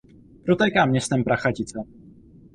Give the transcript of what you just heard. Protéká městem Prachatice.